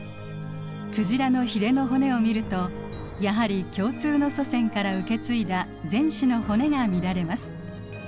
クジラのヒレの骨を見るとやはり共通の祖先から受け継いだ前肢の骨が見られます。